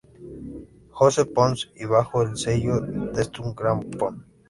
Josep Pons y bajo el sello Deutsche Grammophon.